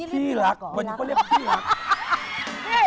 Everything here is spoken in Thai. พี่ลักษณ์เหมือนก็เรียกพี่ลักษณ์